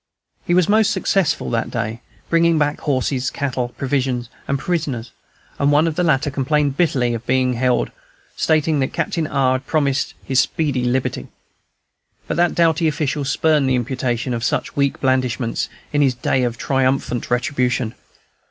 He was most successful that day, bringing back horses, cattle, provisions, and prisoners; and one of the latter complained bitterly to me of being held, stating that Captain R. had promised him speedy liberty. But that doughty official spurned the imputation of such weak blandishments, in this day of triumphant retribution.